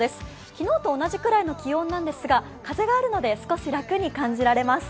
昨日と同じぐらいの気温なんですが、風があるので少し楽に感じられます。